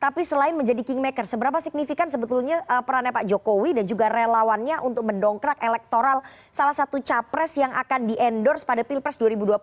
tapi selain menjadi kingmaker seberapa signifikan sebetulnya perannya pak jokowi dan juga relawannya untuk mendongkrak elektoral salah satu capres yang akan di endorse pada pilpres dua ribu dua puluh empat